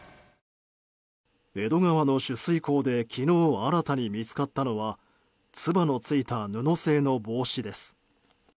江戸川の取水口で昨日新たに見つかったのはつばのついた布製の帽子です。